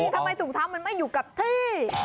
ทำไมถุงเท้ามันไม่อยู่กับที่